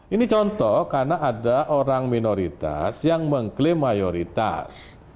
ini contoh karena ada orang minoritas yang mengklaim mayoritas